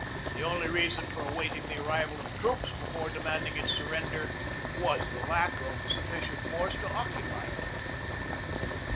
The only reason for awaiting the arrival of troops before de manding its surrender was the lack of sufficient force to occupy it.